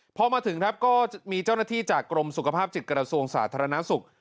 พอมาถึงครับก็มีเจ้าหน้าที่จากกรมสุขภาพจิตกระทรวงสาธารณสุข